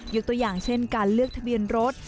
ตัวอย่างเช่นการเลือกทะเบียนรถ